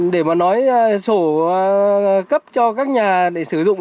để mà nói sổ cấp cho các nhà để sử dụng